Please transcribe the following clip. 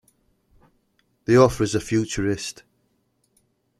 The author is a futurist.